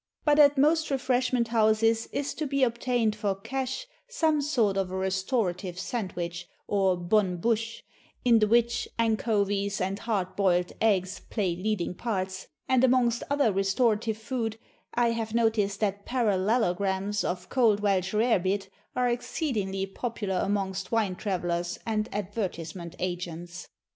But at most refreshment houses is to be obtained for cash some sort of a restorative sandwich, or bonne bouche, in the which anchovies and hard boiled eggs play leading parts; and amongst other restorative food, I have noticed that parallelograms of cold Welsh rarebit are exceedingly popular amongst wine travellers and advertisement agents.